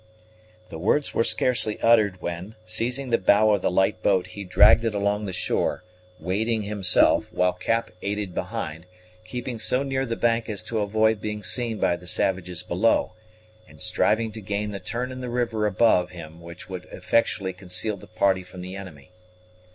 The words were scarcely uttered when, seizing the bow of the light boat he dragged it along the shore, wading himself, while Cap aided behind, keeping so near the bank as to avoid being seen by the savages below, and striving to gain the turn in the river above him which would effectually conceal the party from the enemy.